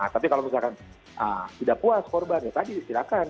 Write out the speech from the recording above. tapi kalau misalkan tidak puas korban ya tadi silahkan